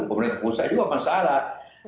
pemerintah pusat juga masalah